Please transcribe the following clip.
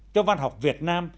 cho văn học việt nam